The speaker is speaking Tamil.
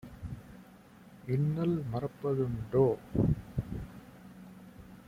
இன்னல் மறப்ப துண்டோ?"